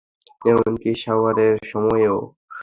এমনকি শাওয়ারের সময়েও?